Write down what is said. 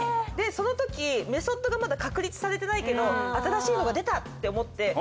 その時メソッドがまだ確立されてないけど新しいのが出たって思って。